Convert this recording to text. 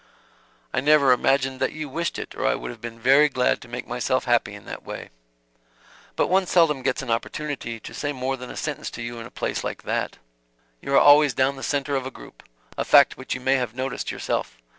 "I never imagined that you wished it or I would have been very glad to make myself happy in that way. But one seldom gets an opportunity to say more than a sentence to you in a place like that. You are always the centre of a group a fact which you may have noticed yourself.